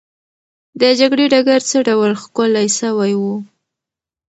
د جګړې ډګر څه ډول ښکلی سوی وو؟